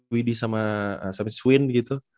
widi sama swin gitu